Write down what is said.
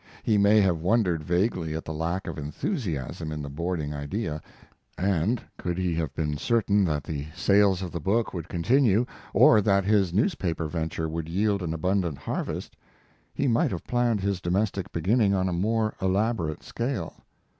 He may have wondered vaguely at the lack of enthusiasm in the boarding idea, and could he have been certain that the sales of the book would continue, or that his newspaper venture would yield an abundant harvest, he might have planned his domestic beginning on a more elaborate scale.